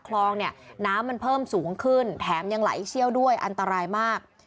คลองเนี่ยน้ำมันเพิ่มสูงขึ้นแถมยังไหลเชี่ยวด้วยอันตรายมาก